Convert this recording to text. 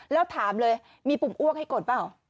แล้วถามเลยมีปุ่มอ้วกให้กดเปล่า